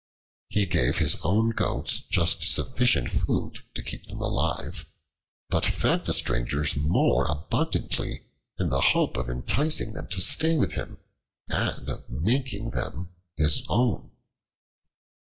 He gave his own goats just sufficient food to keep them alive, but fed the strangers more abundantly in the hope of enticing them to stay with him and of making them his own.